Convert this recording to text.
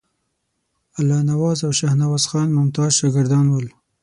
الله نواز او شاهنواز خان ممتاز شاګردان ول.